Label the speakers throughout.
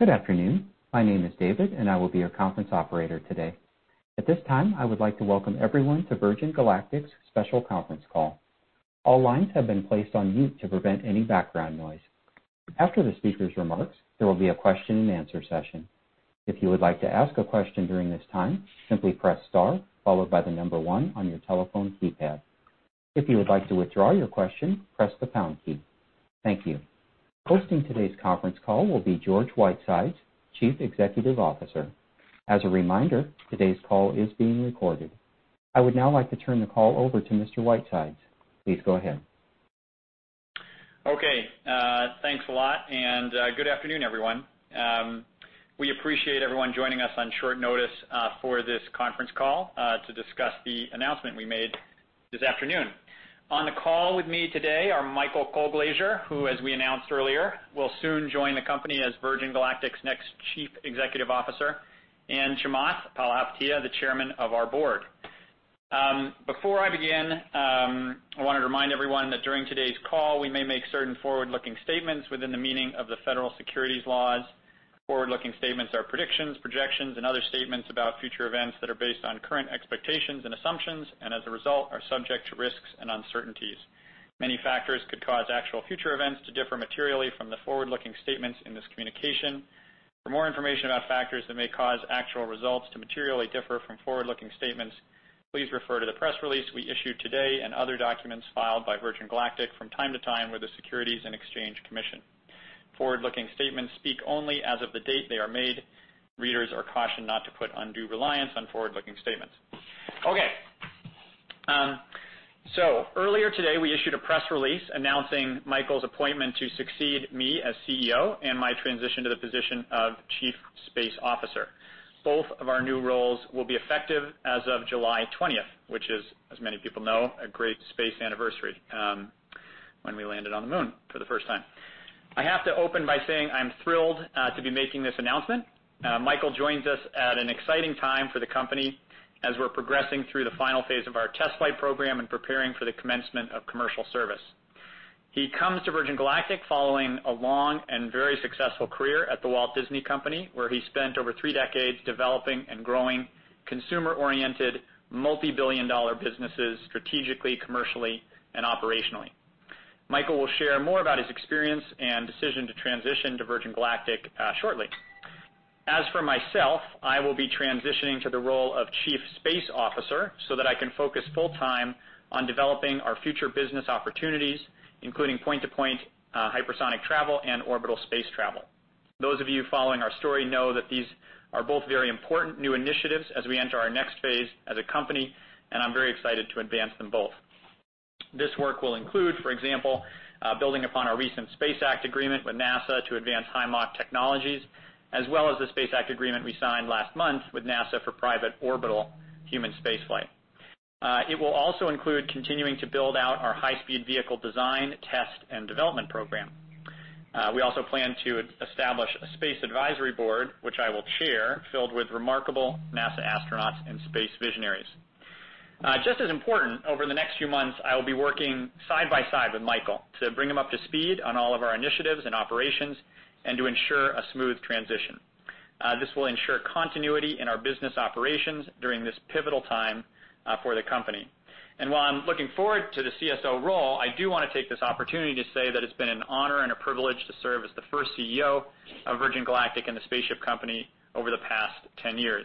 Speaker 1: Good afternoon. My name is David, and I will be your conference operator today. At this time, I would like to welcome everyone to Virgin Galactic's special conference call. All lines have been placed on mute to prevent any background noise. After the speakers' remarks, there will be a question-and-answer session. If you would like to ask a question during this time, simply press star followed by the number one on your telephone keypad. If you would like to withdraw your question, press the pound key. Thank you. Hosting today's conference call will be George Whitesides, Chief Executive Officer. As a reminder, today's call is being recorded. I would now like to turn the call over to Mr. Whitesides. Please go ahead.
Speaker 2: Okay. Thanks a lot, good afternoon, everyone. We appreciate everyone joining us on short notice for this conference call to discuss the announcement we made this afternoon. On the call with me today are Michael Colglazier, who, as we announced earlier, will soon join the company as Virgin Galactic's next Chief Executive Officer, and Chamath Palihapitiya, the Chairman of our Board. Before I begin, I want to remind everyone that during today's call, we may make certain forward-looking statements within the meaning of the federal securities laws. Forward-looking statements are predictions, projections, and other statements about future events that are based on current expectations and assumptions and, as a result, are subject to risks and uncertainties. Many factors could cause actual future events to differ materially from the forward-looking statements in this communication. For more information about factors that may cause actual results to materially differ from forward-looking statements, please refer to the press release we issued today and other documents filed by Virgin Galactic from time to time with the Securities and Exchange Commission. Forward-looking statements speak only as of the date they are made. Readers are cautioned not to put undue reliance on forward-looking statements. Okay. Earlier today, we issued a press release announcing Michael's appointment to succeed me as CEO and my transition to the position of Chief Space Officer. Both of our new roles will be effective as of July 20th, which is, as many people know, a great space anniversary, when we landed on the moon for the first time. I have to open by saying I'm thrilled to be making this announcement. Michael joins us at an exciting time for the company as we're progressing through the final phase of our test flight program and preparing for the commencement of commercial service. He comes to Virgin Galactic following a long and very successful career at The Walt Disney Company, where he spent over three decades developing and growing consumer-oriented, multibillion-dollar businesses strategically, commercially, and operationally. Michael will share more about his experience and decision to transition to Virgin Galactic shortly. As for myself, I will be transitioning to the role of Chief Space Officer so that I can focus full time on developing our future business opportunities, including point-to-point hypersonic travel and orbital space travel. Those of you following our story know that these are both very important new initiatives as we enter our next phase as a company, and I'm very excited to advance them both. This work will include, for example, building upon our recent Space Act Agreement with NASA to advance high-Mach technologies, as well as the Space Act Agreement we signed last month with NASA for private orbital human spaceflight. It will also include continuing to build out our high-speed vehicle design, test, and development program. We also plan to establish a Space Advisory Board, which I will chair, filled with remarkable NASA astronauts and space visionaries. Just as important, over the next few months, I will be working side by side with Michael to bring him up to speed on all of our initiatives and operations and to ensure a smooth transition. This will ensure continuity in our business operations during this pivotal time for the company. While I'm looking forward to the CSO role, I do want to take this opportunity to say that it's been an honor and a privilege to serve as the first CEO of Virgin Galactic and The Spaceship Company over the past 10 years.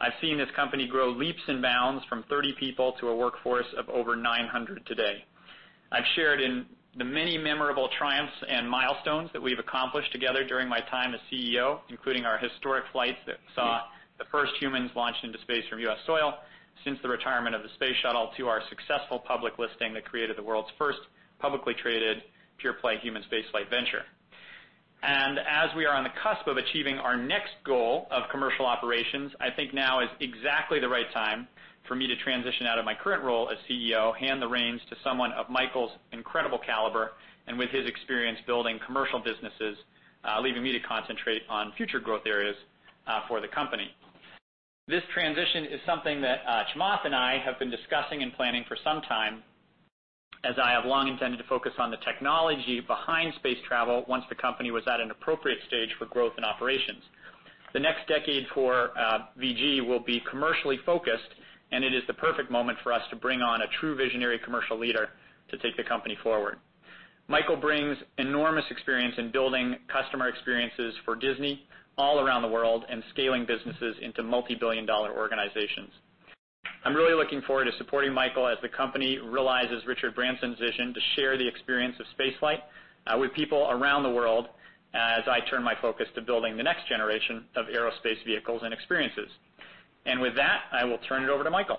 Speaker 2: I've seen this company grow leaps and bounds from 30 people to a workforce of over 900 today. I've shared in the many memorable triumphs and milestones that we've accomplished together during my time as CEO, including our historic flights that saw the first humans launch into space from U.S. soil since the retirement of the space shuttle, to our successful public listing that created the world's first publicly traded pure-play human spaceflight venture. As we are on the cusp of achieving our next goal of commercial operations, I think now is exactly the right time for me to transition out of my current role as CEO, hand the reins to someone of Michael's incredible caliber, and with his experience building commercial businesses, leaving me to concentrate on future growth areas for the company. This transition is something that Chamath and I have been discussing and planning for some time, as I have long intended to focus on the technology behind space travel once the company was at an appropriate stage for growth and operations. The next decade for VG will be commercially focused, and it is the perfect moment for us to bring on a true visionary commercial leader to take the company forward. Michael brings enormous experience in building customer experiences for Disney all around the world and scaling businesses into multibillion-dollar organizations. I'm really looking forward to supporting Michael as the company realizes Richard Branson's vision to share the experience of spaceflight with people around the world, as I turn my focus to building the next generation of aerospace vehicles and experiences. With that, I will turn it over to Michael.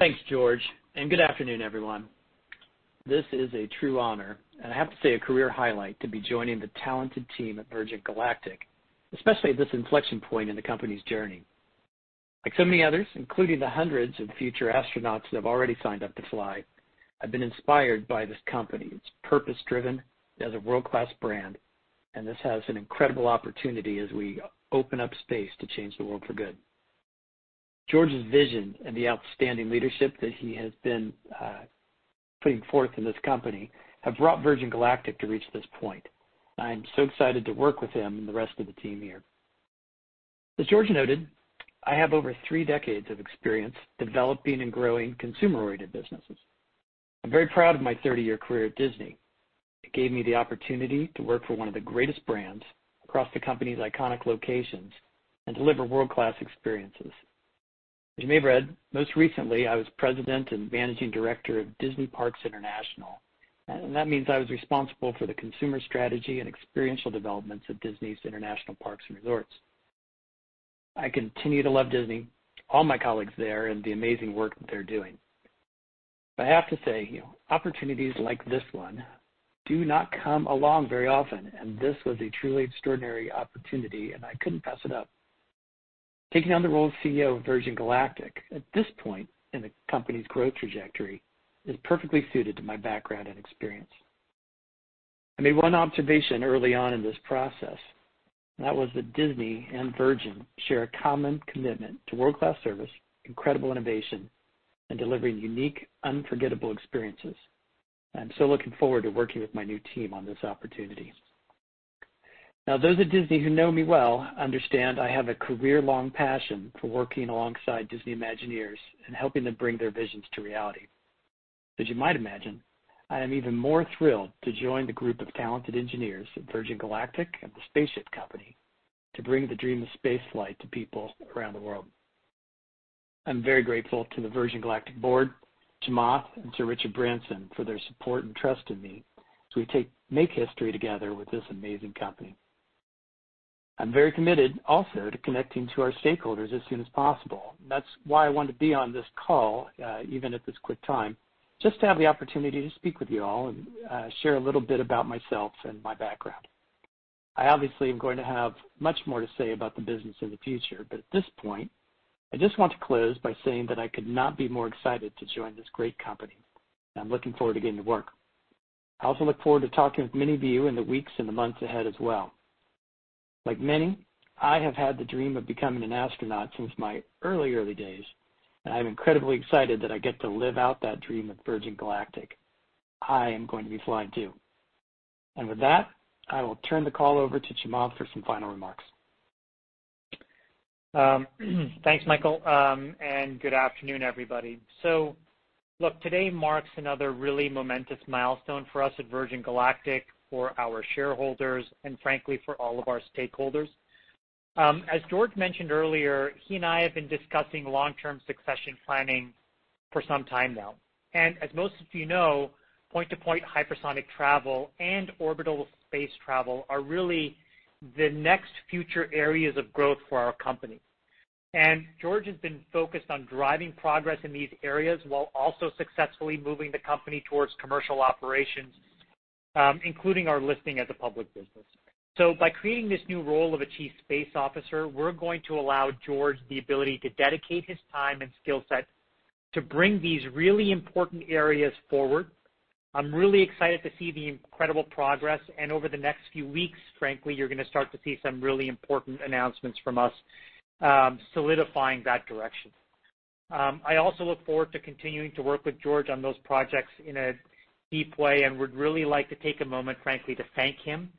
Speaker 3: Thanks, George. Good afternoon, everyone. This is a true honor, and I have to say, a career highlight, to be joining the talented team at Virgin Galactic, especially at this inflection point in the company's journey. Like so many others, including the hundreds of future astronauts that have already signed up to fly, I've been inspired by this company. It's purpose-driven as a world-class brand, and this has an incredible opportunity as we open up space to change the world for good. George's vision and the outstanding leadership that he has been putting forth in this company have brought Virgin Galactic to reach this point. I'm so excited to work with him and the rest of the team here. As George noted, I have over three decades of experience developing and growing consumer-oriented businesses. I'm very proud of my 30-year career at Disney. It gave me the opportunity to work for one of the greatest brands across the company's iconic locations and deliver world-class experiences. As you may have read, most recently, I was President and Managing Director of Disney Parks International, and that means I was responsible for the consumer strategy and experiential developments of Disney's international parks and resorts. I continue to love Disney, all my colleagues there, and the amazing work that they're doing. I have to say, opportunities like this one do not come along very often, and this was a truly extraordinary opportunity, and I couldn't pass it up. Taking on the role of CEO of Virgin Galactic at this point in the company's growth trajectory is perfectly suited to my background and experience. I made one observation early on in this process, and that was that Disney and Virgin share a common commitment to world-class service, incredible innovation, and delivering unique, unforgettable experiences. I'm so looking forward to working with my new team on this opportunity. Now, those at Disney who know me well understand I have a career-long passion for working alongside Disney Imagineers and helping them bring their visions to reality. As you might imagine, I am even more thrilled to join the group of talented engineers at Virgin Galactic and The Spaceship Company to bring the dream of space flight to people around the world. I'm very grateful to the Virgin Galactic Board, to Chamath, and to Richard Branson for their support and trust in me as we make history together with this amazing company. I'm very committed also to connecting to our stakeholders as soon as possible. That's why I wanted to be on this call, even at this quick time, just to have the opportunity to speak with you all and share a little bit about myself and my background. I obviously am going to have much more to say about the business in the future. At this point, I just want to close by saying that I could not be more excited to join this great company, and I'm looking forward to getting to work. I also look forward to talking with many of you in the weeks and the months ahead as well. Like many, I have had the dream of becoming an astronaut since my early days, and I'm incredibly excited that I get to live out that dream at Virgin Galactic. I am going to be flying, too. With that, I will turn the call over to Chamath for some final remarks.
Speaker 4: Thanks, Michael. Good afternoon, everybody. Look, today marks another really momentous milestone for us at Virgin Galactic, for our shareholders, and frankly, for all of our stakeholders. As George mentioned earlier, he and I have been discussing long-term succession planning for some time now, and as most of you know, point-to-point hypersonic travel and orbital space travel are really the next future areas of growth for our company. George has been focused on driving progress in these areas while also successfully moving the company towards commercial operations, including our listing as a public business. By creating this new role of a Chief Space Officer, we're going to allow George the ability to dedicate his time and skill set to bring these really important areas forward. I'm really excited to see the incredible progress. Over the next few weeks, frankly, you're going to start to see some really important announcements from us solidifying that direction. I also look forward to continuing to work with George on those projects in a deep way and would really like to take a moment, frankly, to thank him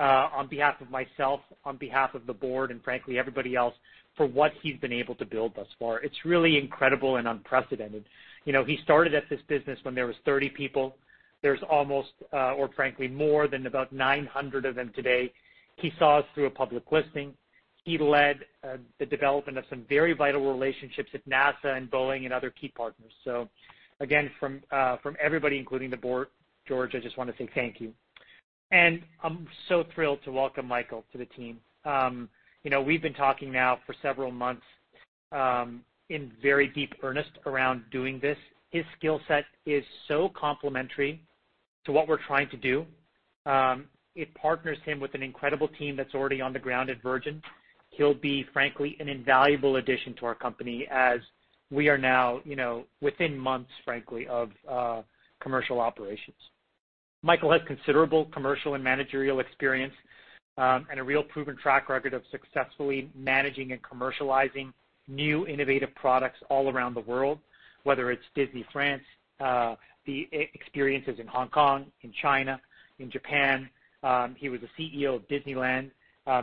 Speaker 4: on behalf of myself, on behalf of the Board, and frankly, everybody else for what he's been able to build thus far. It's really incredible and unprecedented. He started at this business when there was 30 people. There's almost, or frankly, more than about 900 of them today. He saw us through a public listing. He led the development of some very vital relationships with NASA and Boeing and other key partners. Again, from everybody, including the Board, George, I just want to say thank you. I'm so thrilled to welcome Michael to the team. We've been talking now for several months in very deep earnest around doing this. His skill set is so complementary to what we're trying to do. It partners him with an incredible team that's already on the ground at Virgin. He'll be, frankly, an invaluable addition to our company as we are now within months, frankly, of commercial operations. Michael has considerable commercial and managerial experience and a real proven track record of successfully managing and commercializing new, innovative products all around the world, whether it's Disney France, the experiences in Hong Kong, in China, in Japan. He was a CEO of Disneyland.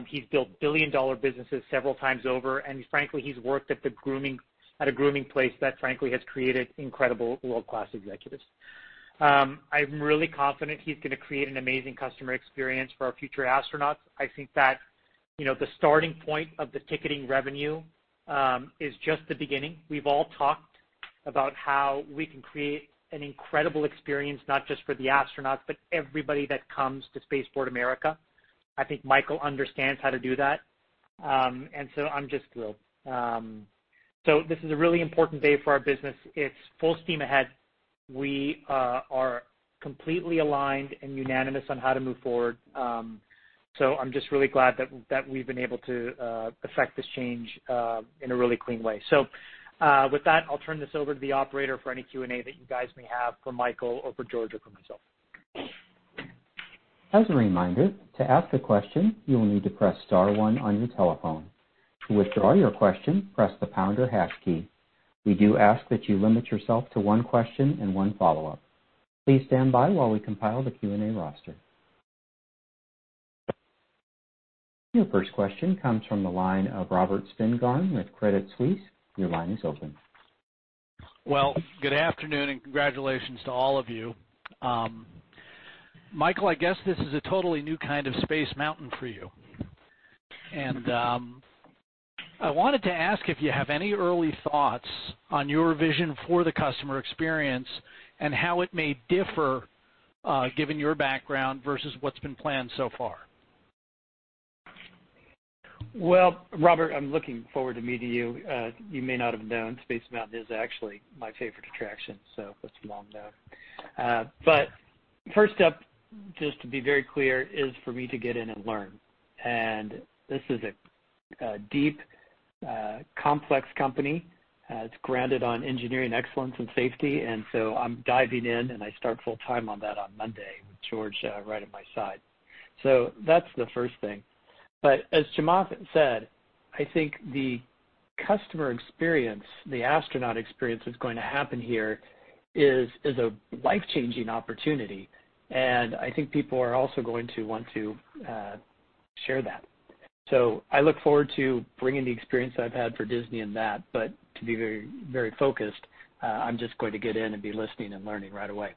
Speaker 4: He's built billion-dollar businesses several times over, and frankly, he's worked at a grooming place that frankly has created incredible world-class executives. I'm really confident he's going to create an amazing customer experience for our future astronauts. I think that the starting point of the ticketing revenue is just the beginning. We've all talked about how we can create an incredible experience, not just for the astronauts, but everybody that comes to Spaceport America. I think Michael understands how to do that. I'm just thrilled. This is a really important day for our business. It's full steam ahead. We are completely aligned and unanimous on how to move forward. I'm just really glad that we've been able to effect this change in a really clean way. With that, I'll turn this over to the operator for any Q&A that you guys may have for Michael or for George or for myself.
Speaker 1: As a reminder, to ask a question, you will need to press star one on your telephone. To withdraw your question, press the pound or hash key. We do ask that you limit yourself to one question and one follow-up. Please stand by while we compile the Q&A roster. Your first question comes from the line of Robert Spingarn with Credit Suisse. Your line is open.
Speaker 5: Well, good afternoon, and congratulations to all of you. Michael, I guess this is a totally new kind of Space Mountain for you. I wanted to ask if you have any early thoughts on your vision for the customer experience and how it may differ given your background versus what's been planned so far.
Speaker 3: Well, Robert, I'm looking forward to meeting you. You may not have known, Space Mountain is actually my favorite attraction, that's a long note. First up, just to be very clear, is for me to get in and learn. This is a deep, complex company. It's grounded on engineering excellence and safety, I'm diving in, I start full time on that on Monday with George right at my side. That's the first thing. As Chamath said, I think the customer experience, the astronaut experience that's going to happen here is a life-changing opportunity, I think people are also going to want to share that. I look forward to bringing the experience I've had for Disney in that, to be very focused, I'm just going to get in and be listening and learning right away.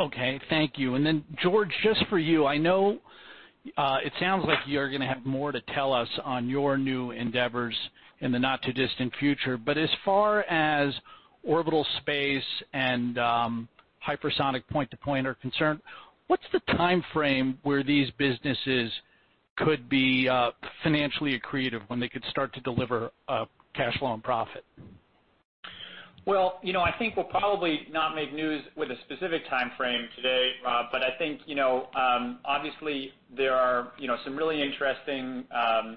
Speaker 5: Okay. Thank you. George, just for you, I know it sounds like you're going to have more to tell us on your new endeavors in the not too distant future, but as far as orbital space and hypersonic point-to-point are concerned, what's the timeframe where these businesses could be financially accretive, when they could start to deliver cash flow and profit?
Speaker 2: Well, I think we'll probably not make news with a specific timeframe today, Rob, but I think, obviously there are some really interesting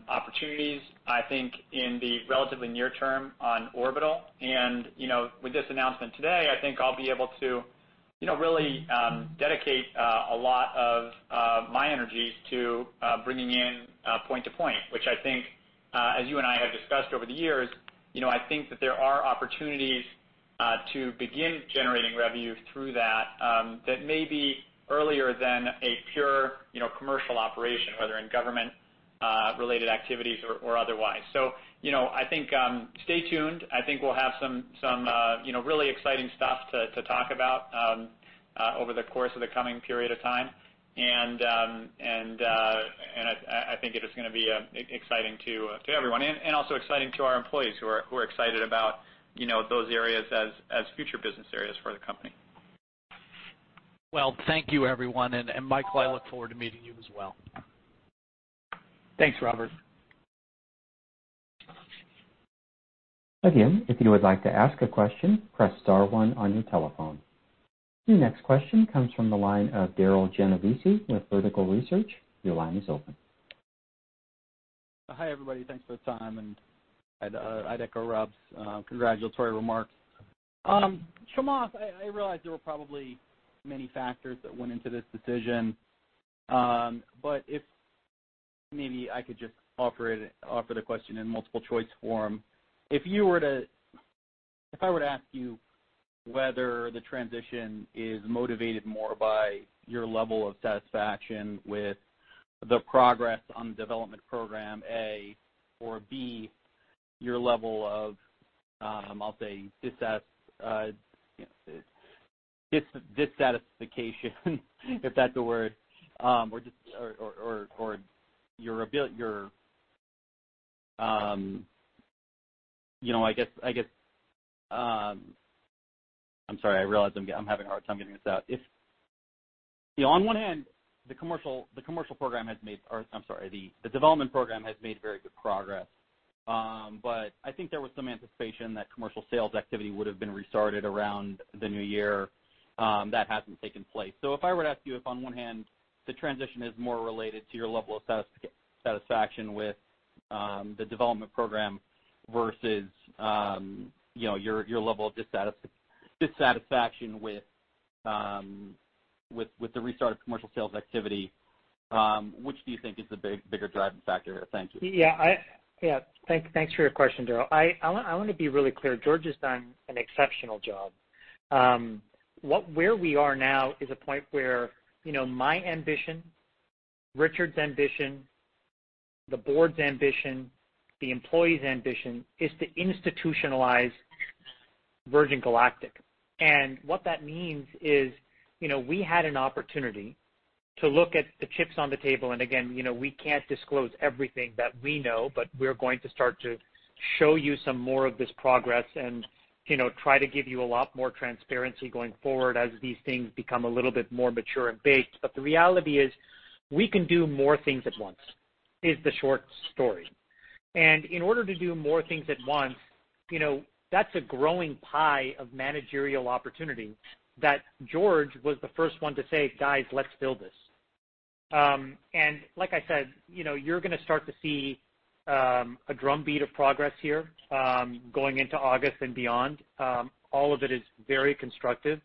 Speaker 2: opportunities, I think, in the relatively near term on orbital. With this announcement today, I think I'll be able to really dedicate a lot of my energies to bringing in point-to-point, which I think, as you and I have discussed over the years, I think that there are opportunities to begin generating revenue through that may be earlier than a pure commercial operation, whether in government-related activities or otherwise. I think, stay tuned. I think we'll have some really exciting stuff to talk about over the course of the coming period of time. I think it is going to be exciting to everyone and also exciting to our employees who are excited about those areas as future business areas for the company.
Speaker 5: Well, thank you, everyone. Michael, I look forward to meeting you as well.
Speaker 3: Thanks, Robert.
Speaker 1: Again, if you would like to ask a question, press star one on your telephone. Your next question comes from the line of Darryl Genovesi with Vertical Research. Your line is open.
Speaker 6: Hi, everybody. Thanks for the time, and I'd echo Robert's congratulatory remarks. Chamath, I realize there were probably many factors that went into this decision, but if maybe I could just offer the question in multiple-choice form. If I were to ask you whether the transition is motivated more by your level of satisfaction with the progress on the development program, A, or B, your level of, I'll say, dissatisfaction, if that's a word. I'm sorry. I realize I'm having a hard time getting this out. On one hand, or, I'm sorry, the development program has made very good progress. I think there was some anticipation that commercial sales activity would've been restarted around the new year. That hasn't taken place. If I were to ask you if on one hand, the transition is more related to your level of satisfaction with the development program versus your level of dissatisfaction with the restart of commercial sales activity, which do you think is the bigger driving factor here? Thank you.
Speaker 4: Yeah. Thanks for your question, Darryl. I want to be really clear. George has done an exceptional job. Where we are now is a point where my ambition, Richard's ambition, the Board's ambition, the employees' ambition, is to institutionalize Virgin Galactic. What that means is, we had an opportunity to look at the chips on the table. Again, we can't disclose everything that we know, but we're going to start to show you some more of this progress and try to give you a lot more transparency going forward as these things become a little bit more mature and baked. The reality is, we can do more things at once, is the short story. In order to do more things at once, that's a growing pie of managerial opportunity that George was the first one to say, "Guys, let's build this." Like I said, you're going to start to see a drumbeat of progress here going into August and beyond. All of it is very constructive.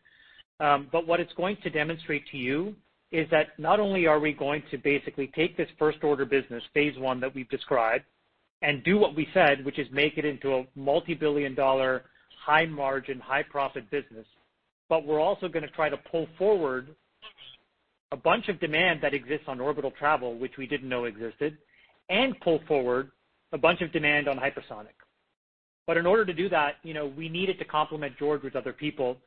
Speaker 4: What it's going to demonstrate to you is that not only are we going to basically take this first-order business, phase I that we've described, and do what we said, which is make it into a multi-billion dollar, high margin, high profit business. We're also going to try to pull forward a bunch of demand that exists on orbital travel, which we didn't know existed, and pull forward a bunch of demand on hypersonic. In order to do that, we needed to complement George with other people.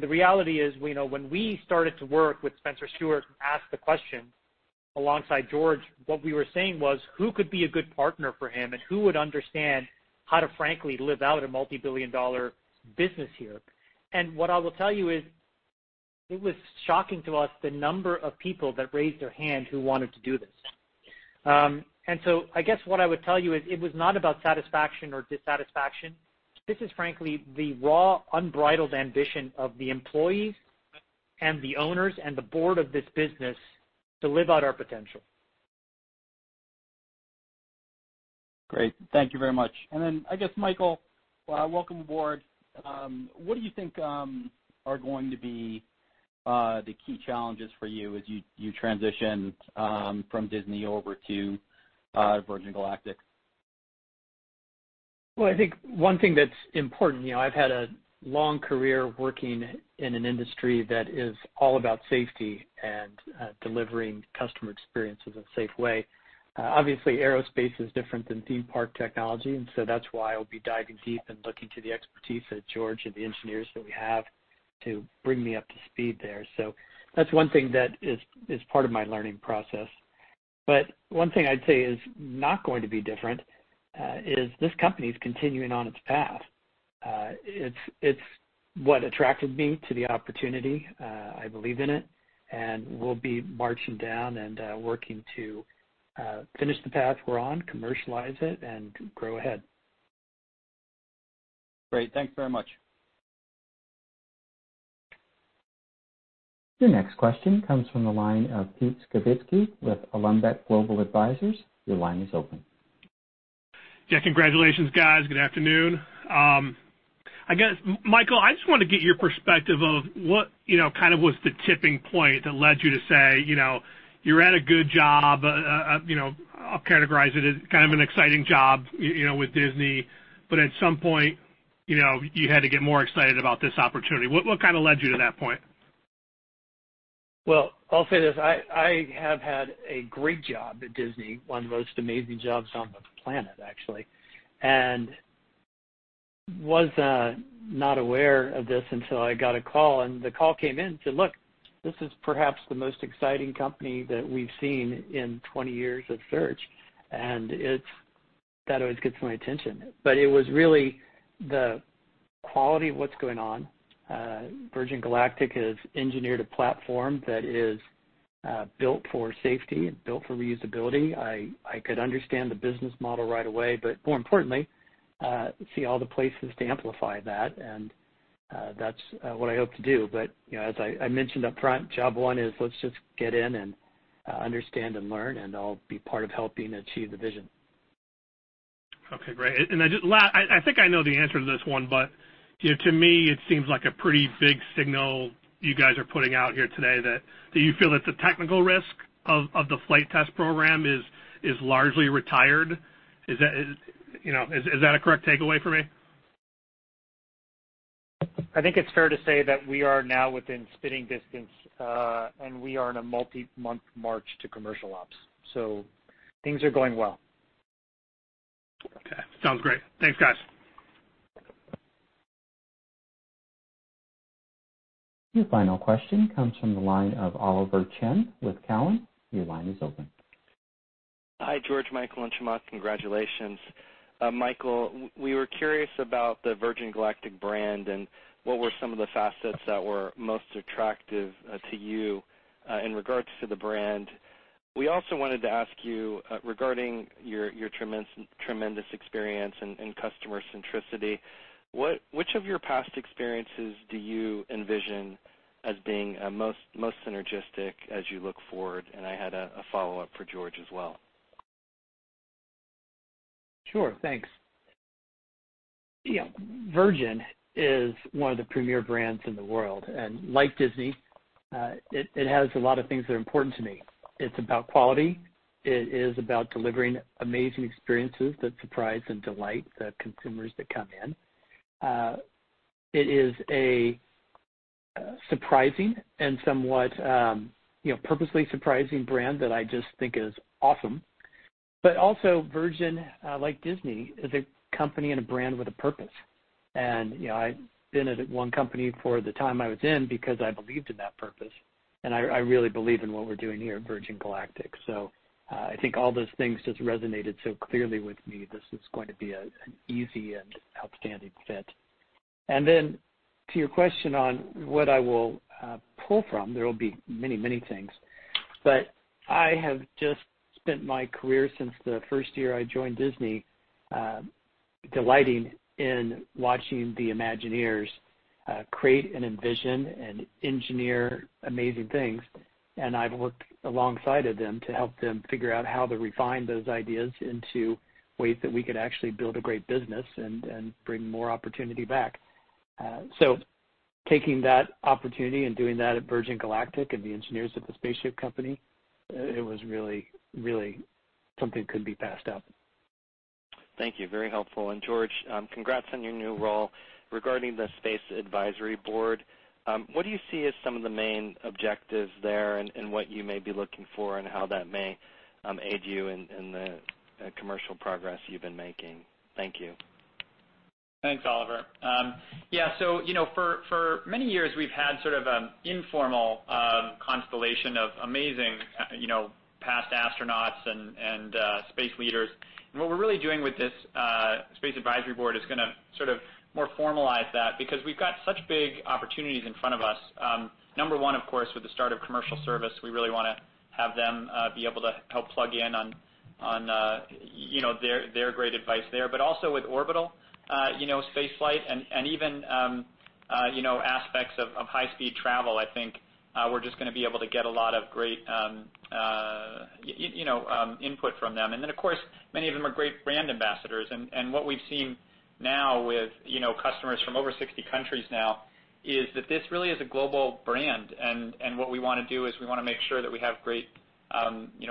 Speaker 4: The reality is, when we started to work with Spencer Stuart and asked the question alongside George, what we were saying was, who could be a good partner for him and who would understand how to frankly live out a multi-billion dollar business here? What I will tell you is, it was shocking to us the number of people that raised their hand who wanted to do this. I guess what I would tell you is it was not about satisfaction or dissatisfaction. This is frankly the raw, unbridled ambition of the employees and the owners and the board of this business to live out our potential.
Speaker 6: Great. Thank you very much. I guess, Michael, welcome aboard. What do you think are going to be the key challenges for you as you transition from Disney over to Virgin Galactic?
Speaker 3: I think one thing that's important, I've had a long career working in an industry that is all about safety and delivering customer experience in a safe way. Aerospace is different than theme park technology, that's why I'll be diving deep and looking to the expertise of George and the engineers that we have to bring me up to speed there. That's one thing that is part of my learning process. One thing I'd say is not going to be different is this company's continuing on its path. It's what attracted me to the opportunity. I believe in it, we'll be marching down and working to finish the path we're on, commercialize it, and grow ahead.
Speaker 6: Great. Thanks very much.
Speaker 1: Your next question comes from the line of Pete Skibitski with Alembic Global Advisors. Your line is open.
Speaker 7: Yeah, congratulations, guys. Good afternoon. I guess, Michael, I just want to get your perspective of what kind of was the tipping point that led you to say, you're at a good job, I'll categorize it as kind of an exciting job with Disney. At some point, you had to get more excited about this opportunity. What kind of led you to that point?
Speaker 3: I'll say this. I have had a great job at Disney, one of the most amazing jobs on the planet, actually. Was not aware of this until I got a call, and the call came in and said, "Look, this is perhaps the most exciting company that we've seen in 20 years of search." That always gets my attention. It was really the quality of what's going on. Virgin Galactic has engineered a platform that is built for safety and built for reusability. I could understand the business model right away, but more importantly, see all the places to amplify that, and that's what I hope to do. As I mentioned upfront, job one is let's just get in and understand and learn, and I'll be part of helping achieve the vision.
Speaker 7: Okay, great. I think I know the answer to this one, to me, it seems like a pretty big signal you guys are putting out here today that you feel that the technical risk of the flight test program is largely retired. Is that a correct takeaway for me?
Speaker 4: I think it's fair to say that we are now within spitting distance, and we are in a multi-month march to commercial ops. Things are going well.
Speaker 7: Okay, sounds great. Thanks, guys.
Speaker 1: Your final question comes from the line of Oliver Chen with Cowen. Your line is open.
Speaker 8: Hi, George, Michael, and Chamath. Congratulations. Michael, we were curious about the Virgin Galactic brand and what were some of the facets that were most attractive to you in regards to the brand. We also wanted to ask you regarding your tremendous experience in customer centricity, which of your past experiences do you envision as being most synergistic as you look forward? I had a follow-up for George as well.
Speaker 3: Sure. Thanks. Virgin is one of the premier brands in the world. Like Disney, it has a lot of things that are important to me. It's about quality. It is about delivering amazing experiences that surprise and delight the consumers that come in. It is a surprising and somewhat purposely surprising brand that I just think is awesome. Also Virgin, like Disney, is a company and a brand with a purpose. I've been at one company for the time I was in because I believed in that purpose, and I really believe in what we're doing here at Virgin Galactic. I think all those things just resonated so clearly with me. This is going to be an easy and outstanding fit. To your question on what I will pull from, there will be many things. I have just spent my career since the first year I joined Disney, delighting in watching the Imagineers create and envision and engineer amazing things. I've worked alongside them to help them figure out how to refine those ideas into ways that we could actually build a great business and bring more opportunity back. Taking that opportunity and doing that at Virgin Galactic and the engineers at The Spaceship Company, it was really something couldn't be passed up.
Speaker 8: Thank you. Very helpful. George, congrats on your new role regarding the Space Advisory Board. What do you see as some of the main objectives there and what you may be looking for and how that may aid you in the commercial progress you've been making? Thank you.
Speaker 2: Thanks, Oliver. Yeah, for many years, we've had sort of an informal constellation of amazing past astronauts and space leaders. What we're really doing with this Space Advisory Board is going to sort of more formalize that because we've got such big opportunities in front of us. Number one, of course, with the start of commercial service, we really want to have them be able to help plug in on their great advice there, but also with orbital spaceflight and even aspects of high-speed travel. I think we're just going to be able to get a lot of great input from them. Then, of course, many of them are great brand ambassadors. What we've seen now with customers from over 60 countries now is that this really is a global brand. What we want to do is we want to make sure that we have great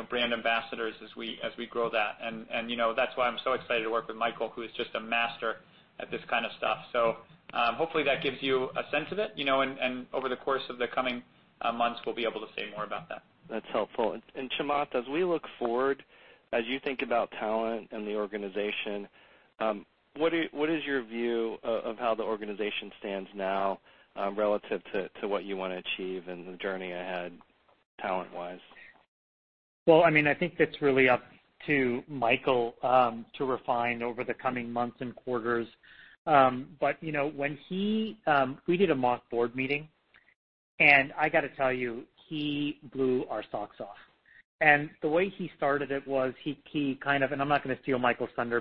Speaker 2: brand ambassadors as we grow that. That's why I'm so excited to work with Michael, who is just a master at this kind of stuff. Hopefully that gives you a sense of it. Over the course of the coming months, we'll be able to say more about that.
Speaker 8: That's helpful. Chamath, as we look forward, as you think about talent and the organization, what is your view of how the organization stands now relative to what you want to achieve and the journey ahead talent-wise?
Speaker 4: Well, I think that's really up to Michael to refine over the coming months and quarters. We did a mock Board meeting, and I got to tell you, he blew our socks off. The way he started it was he kind of, and I'm not going to steal Michael's thunder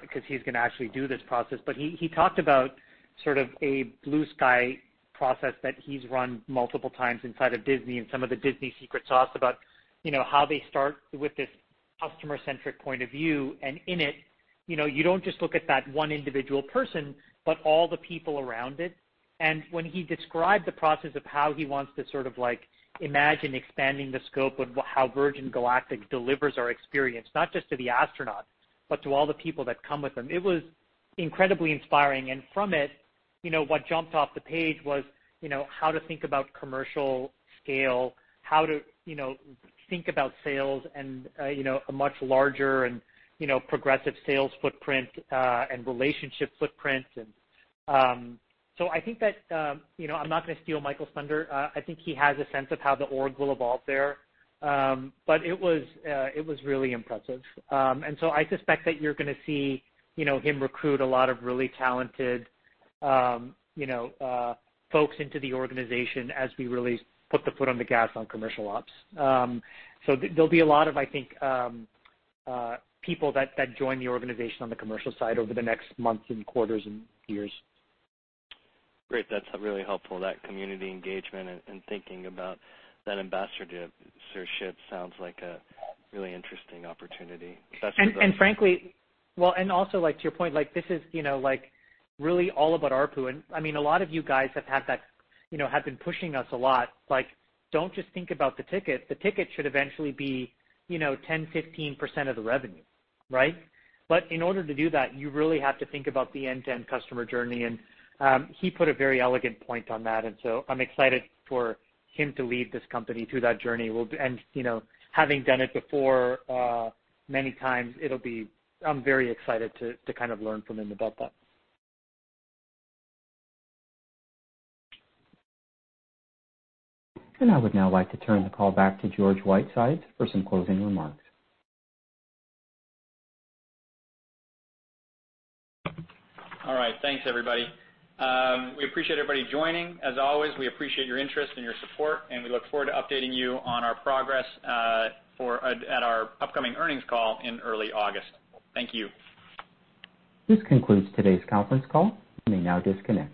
Speaker 4: because he's going to actually do this process, but he talked about sort of a blue sky process that he's run multiple times inside of Disney and some of the Disney secret sauce about how they start with this customer-centric point of view. In it, you don't just look at that one individual person, but all the people around it. When he described the process of how he wants to sort of imagine expanding the scope of how Virgin Galactic delivers our experience, not just to the astronauts, but to all the people that come with them. It was incredibly inspiring. From it, what jumped off the page was how to think about commercial scale, how to think about sales and a much larger and progressive sales footprint and relationship footprint. I think that I'm not going to steal Michael's thunder. I think he has a sense of how the org will evolve there. It was really impressive. I suspect that you're going to see him recruit a lot of really talented folks into the organization as we really put the foot on the gas on commercial ops. There'll be a lot of, I think, people that join the organization on the commercial side over the next months and quarters and years.
Speaker 8: Great. That's really helpful, that community engagement and thinking about that ambassadorship sounds like a really interesting opportunity.
Speaker 4: Frankly, well, also to your point, this is really all about ARPU. A lot of you guys have been pushing us a lot, like don't just think about the ticket. The ticket should eventually be 10%, 15% of the revenue, right? In order to do that, you really have to think about the end-to-end customer journey, and he put a very elegant point on that. I'm excited for him to lead this company through that journey. Having done it before many times, I'm very excited to kind of learn from him about that.
Speaker 1: I would now like to turn the call back to George Whitesides for some closing remarks.
Speaker 2: All right. Thanks, everybody. We appreciate everybody joining. As always, we appreciate your interest and your support, and we look forward to updating you on our progress at our upcoming earnings call in early August. Thank you.
Speaker 1: This concludes today's conference call. You may now disconnect.